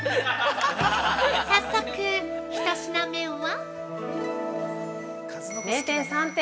◆早速１品目は。